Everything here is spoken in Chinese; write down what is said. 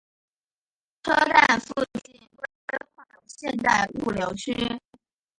车站附近规划有现代物流区。